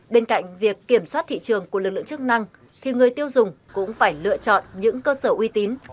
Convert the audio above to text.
bên cạnh việc kiểm soát thị trường của lực lượng chức năng thì người tiêu dùng cũng phải lựa chọn những cơ sở uy tín